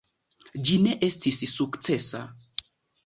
Ĝi ne estis sukcesa.